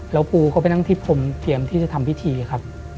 แล้วปูก็ไปนั่งที่พรมเตรียมที่จะทำพิธีครับ